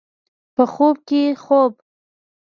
په خوب کې خوب